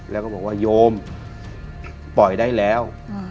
แล้วก็บอกว่าโยมปล่อยได้แล้ว